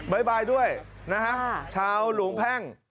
๊ยบายด้วยนะฮะชาวหลวงแพ่ง